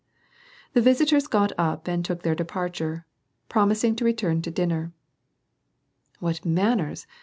The visitors got up and took their departure, promising to return to dinner. " What manners